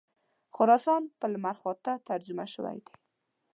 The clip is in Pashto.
خراسان په لمرخاته ترجمه شوی دی.